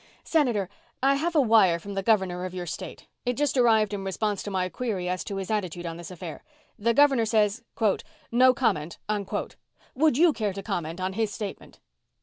"Senator, I have a wire from the governor of your state. It just arrived in response to my query as to his attitude on this affair. The governor says, quote, No comment, unquote. Would you care to comment on his statement?"